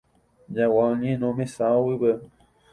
Jagua oñeno mesaguýpe.